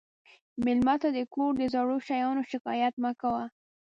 مېلمه ته د کور د زړو شیانو شکایت مه کوه.